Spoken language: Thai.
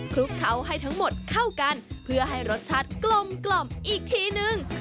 คลุกเคล้าให้ทั้งหมดเข้ากันเพื่อให้รสชาติกลมอีกทีหนึ่ง